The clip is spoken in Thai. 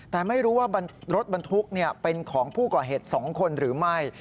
แต่ไม่รู้ว่ารถบรรทุกเป็นของผู้ก่อเหตุ๒คนหรือไม่